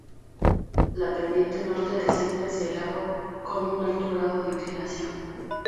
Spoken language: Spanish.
La pendiente norte desciende hacia el lago con un alto grado de inclinación.